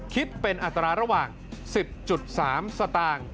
คิดเป็นอัตราระหว่าง๑๐๓สตางค์